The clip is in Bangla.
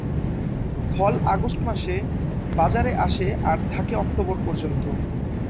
ফল আগস্ট মাসে বাজারে আসে আর থাকে অক্টোবর পর্যন্ত।